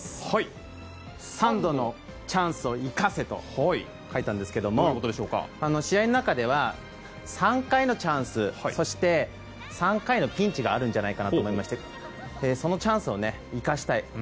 ３度のチャンスを生かせと書いたんですけども試合の中では３回のチャンスそして、３回のピンチがあるんじゃないかなと思いましてそのチャンスを生かしたい。